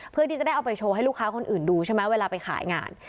เพื่อที่จะได้เอาไปโชว์ให้ลูกค้าคนอื่นดูใช่ไหมเวลาไปขายงาน